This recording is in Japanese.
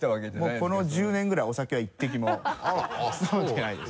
もうこの１０年ぐらいお酒は一滴も飲んでないです。